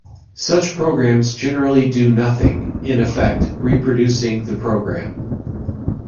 Such programs generally do nothing, in effect, reproducing the program.